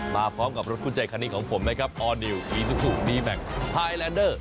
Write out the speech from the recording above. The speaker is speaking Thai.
มาพร้อมกับรถคุณใจคณิกของผมไหมครับออร์ดิวอีซูซูมีแบ็คไทยแลนเดอร์